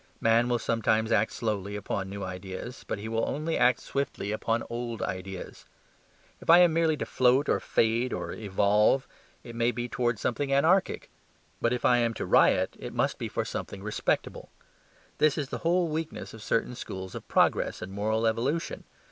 Man will sometimes act slowly upon new ideas; but he will only act swiftly upon old ideas. If I am merely to float or fade or evolve, it may be towards something anarchic; but if I am to riot, it must be for something respectable. This is the whole weakness of certain schools of progress and moral evolution.